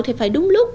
thì phải đúng lúc